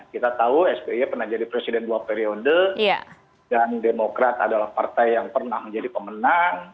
kita tahu sby pernah jadi presiden dua periode dan demokrat adalah partai yang pernah menjadi pemenang